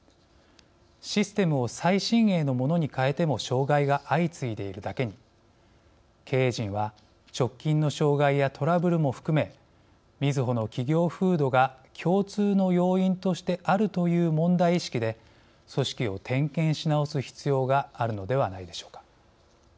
システムを最新鋭のものに変えても障害が相次いでいるだけに経営陣は直近の障害やトラブルも含めみずほの企業風土が共通の要因としてあるという問題意識で組織を点検し直す必要があるのではないでしょうか。